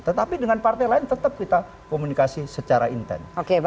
tetapi dengan partai lain tetap kita komunikasi secara intens